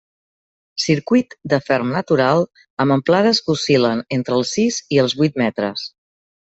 Circuit de ferm natural amb amplades que oscil·len entre els sis i els vuit metres.